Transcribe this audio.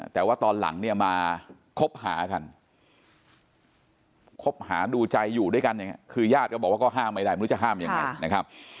แต่ว่าตอนหลังเนี่ยมาคบหากันคบหาดูใจอยู่ด้วยกันเนี่ยคือญาติก็บอกว่าก็ห้ามไม่ได้ไม่รู้จะห้ามยังไงนะครับ